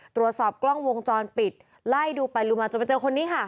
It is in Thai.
ตรวจสอบกล้องวงจรปิดไล่ดูไปดูมาจนไปเจอคนนี้ค่ะ